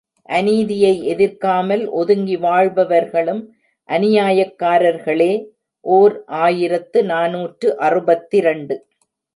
அநீதியை எதிர்க்காமல் ஒதுங்கி வாழ்பவர்களும் அநியாயக்காரர்களே! ஓர் ஆயிரத்து நாநூற்று அறுபத்திரண்டு.